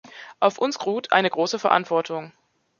Auf uns ruht eine große Verantwortung.